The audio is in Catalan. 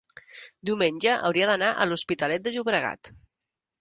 diumenge hauria d'anar a l'Hospitalet de Llobregat.